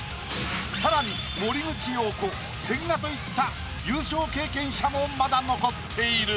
さらに森口瑤子千賀といった優勝経験者もまだ残っている。